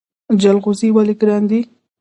جلغوزي ولې ګران دي؟